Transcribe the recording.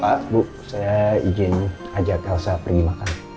pak bu saya izin ajak elsa pergi makan